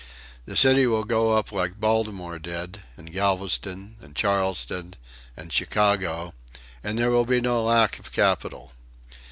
The city will go up like Baltimore did, and Galveston, and Charleston, and Chicago, and there will be no lack of capital.